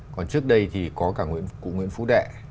còn trước đây thì có cả cụ nguyễn phú đệ